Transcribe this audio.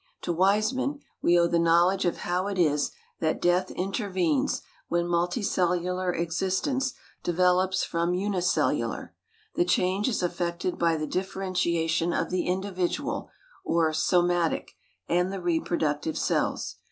To Weismann we owe the knowledge of how it is that death intervenes when multicellular existence develops from unicellular. The change is effected by the differentiation of the individual or somatic and the reproductive cells.